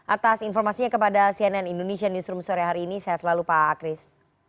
atas informasinya kepada cnn indonesia newsroom sore hari ini saya selalu pak akris